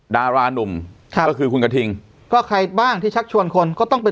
ดารานุ่มค่ะก็คือคุณกระทิงก็ใครบ้างที่ชักชวนคนก็ต้องเป็น